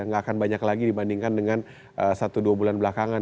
nggak akan banyak lagi dibandingkan dengan satu dua bulan belakangan